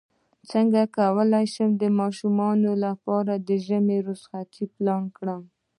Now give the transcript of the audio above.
څنګه کولی شم د ماشومانو لپاره د ژمی رخصتۍ پلان کړم